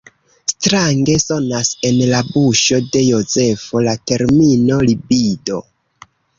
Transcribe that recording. Strange sonas en la buŝo de Jozefo la termino libido.